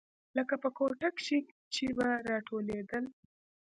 لکه په کوټه کښې چې به راټولېدل.